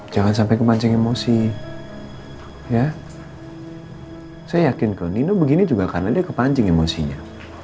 jangan sampai kepancing emosi saya yakin kalau nino begini juga karena dia kepancing emosinya